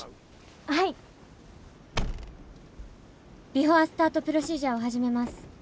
ビフォースタートプロシージャーを始めます。